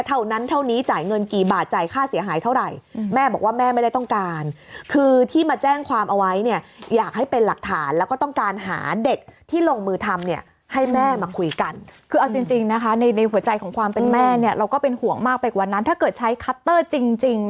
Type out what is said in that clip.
เท่านั้นเท่านี้จ่ายเงินกี่บาทจ่ายค่าเสียหายเท่าไหร่แม่บอกว่าแม่ไม่ได้ต้องการคือที่มาแจ้งความเอาไว้เนี่ยอยากให้เป็นหลักฐานแล้วก็ต้องการหาเด็กที่ลงมือทำเนี่ยให้แม่มาคุยกันคือเอาจริงจริงนะคะในในหัวใจของความเป็นแม่เนี่ยเราก็เป็นห่วงมากไปกว่านั้นถ้าเกิดใช้คัตเตอร์จริงจริง